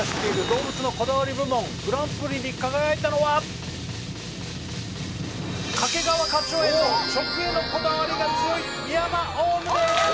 動物のこだわり部門グランプリに輝いたのは掛川花鳥園の食へのこだわりが強いミヤマオウムです